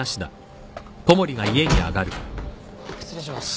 失礼します。